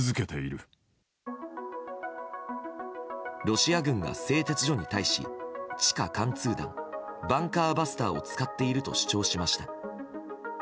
ロシア軍が製鉄所に対し地下貫通弾・バンカーバスターを使っていると主張しました。